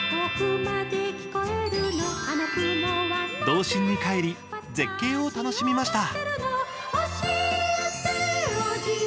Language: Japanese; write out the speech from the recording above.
童心に返り、絶景を楽しみました。